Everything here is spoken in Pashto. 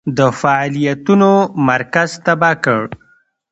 د فعالیتونو مرکز تباه کړ.